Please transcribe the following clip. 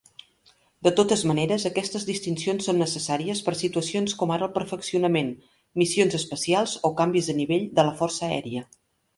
De totes maneres, aquestes distincions són necessàries per a situacions com ara el perfeccionament, missions especials o canvis de nivell de la Força Aèria.